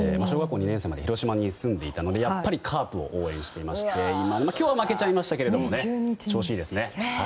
小学校２年生まで広島に住んでいたのでやっぱりカープを応援していまして今日は負けちゃいましたけどね調子いいですね。